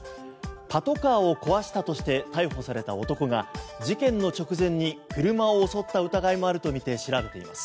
パトカーを壊したとして逮捕された男が事件の直前に車を襲った疑いもあるとみて調べています。